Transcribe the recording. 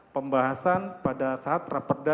pembahasan pada saat rapatnya